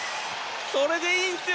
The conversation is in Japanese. それでいいんすよ！